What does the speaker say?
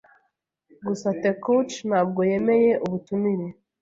Gusa Takeuchi ntabwo yemeye ubutumire.